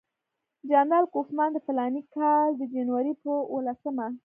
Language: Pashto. جنرال کوفمان د فلاني کال د جنوري پر اووه لسمه.